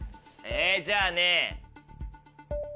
えじゃあね。